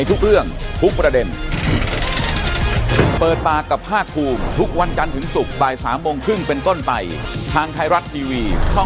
ซึ่งเราตอบไม่ได้